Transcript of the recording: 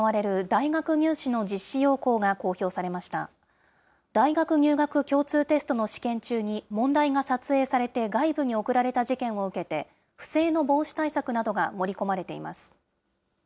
大学入学共通テストの試験中に、問題が撮影されて外部に送られた事件を受けて、不正の防止対策などが盛り込まれています。